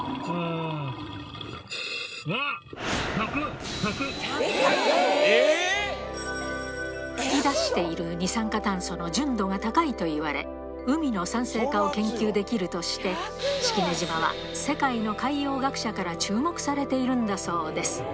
噴き出している二酸化炭素の純度が高いといわれ、海の酸性化を研究できるとして、式根島は世界の海洋学者から注目されているんだそうです。